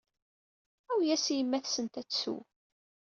Awi-yas i yemma-tsent ad tsew.